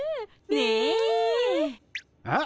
ねえ！えっ？